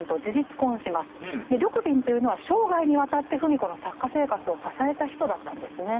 緑敏というのは生涯にわたって芙美子の作家生活を支えた人だったんですね。